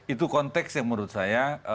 itu konteks yang menurut saya